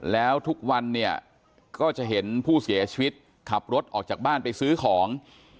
แล้วทุกวันเนี่ยก็จะเห็นผู้เสียชีวิตขับรถออกจากบ้านไปซื้อของ